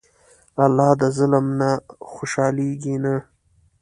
الله د ظلم نه خوشحالېږي نه.